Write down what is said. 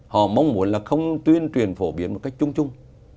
họ mong muốn là không tuyên truyền phổ biến một cách chung chung